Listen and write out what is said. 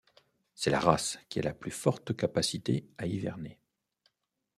C'est la race qui a la plus forte capacité à hiverner.